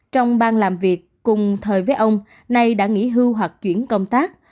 trong ban làm việc cùng thời với ông nay đã nghỉ hưu hoặc chuyển công tác